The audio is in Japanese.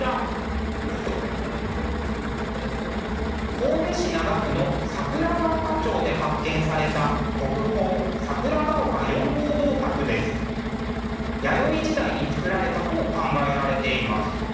神戸市灘区の桜ケ丘町で発見された弥生時代に作られたと考えられています。